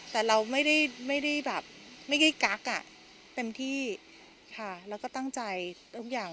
แต่เราไม่ได้กักเต็มที่ค่ะแล้วก็ตั้งใจทุกอย่าง